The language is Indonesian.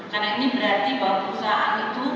karena ini berarti bahwa perusahaan itu